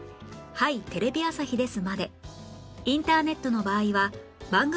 『はい！テレビ朝日です』